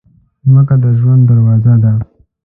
مځکه د ژوند دروازه ده.